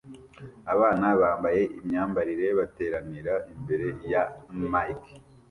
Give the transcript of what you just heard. Abana bambaye imyambarire bateranira imbere ya iMac